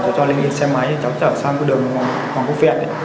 cháu cho lên xe máy cháu chở sang đường hoàng quốc việt